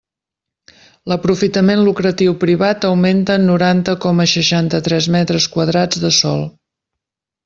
L'aprofitament lucratiu privat augmenta en noranta coma seixanta-tres metres quadrats de sòl.